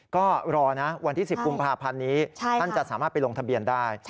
ก็รอนะวันที่๑๐กุมภาพันธ์นี้ท่านจะสามารถไปลงทะเบียนได้